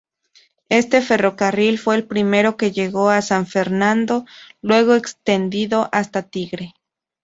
Este ferrocarril fue el primero que llegó a San Fernando, luego extendido hasta Tigre.